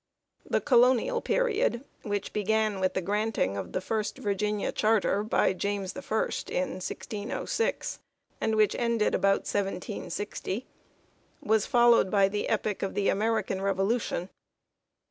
The colonial period, which began with the granting of the first Virginia Charter by James I in 1606 and which ended about 1760, was followed by the epoch of the American Revolution.